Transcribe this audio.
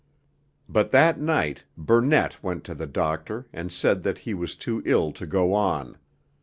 But that night Burnett went to the doctor and said that he was too ill to go on.